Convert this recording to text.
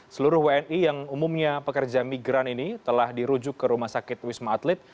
seluruh wni yang umumnya pekerja migran ini telah dirujuk ke rumah sakit wisma atlet